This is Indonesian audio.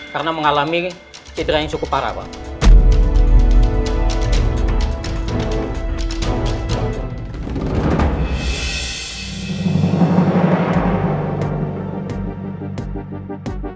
karena mengalami cenderungan cukup parah pak